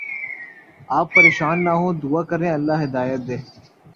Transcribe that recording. آپ پریشان نہ ہوں دعا کریں اللہ ہدایت دے